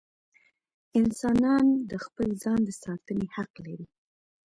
انسانان د خپل ځان د ساتنې حق لري.